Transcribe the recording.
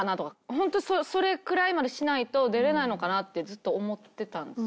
ホントそれくらいまでしないと出れないのかなってずっと思ってたんですよ。